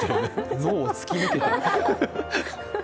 脳を突き抜けてる。